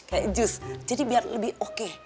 kayak jus jadi biar lebih oke